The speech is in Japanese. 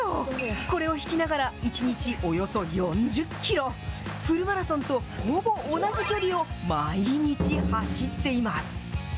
これを引きながら、１日およそ４０キロ、フルマラソンとほぼ同じ距離を毎日走っています。